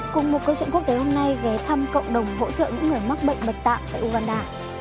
cùng một câu chuyện quốc tế hôm nay ghé thăm cộng đồng hỗ trợ những người mắc bệnh bạch tạng tại uganda